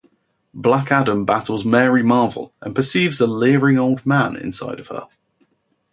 Black Adam battles Mary Marvel and perceives a "leering old man" inside of her.